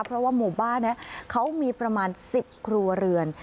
เพราะว่าหมู่บ้านนี้เขามีประมาณ๑๐ครัวเรือน